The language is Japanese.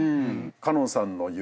花音さんの夢